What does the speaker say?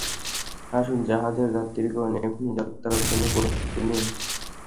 আসুন, জাহাজের যাত্রীগণ এক্ষুনি যাত্রার জন্য প্রস্তুতি নিন!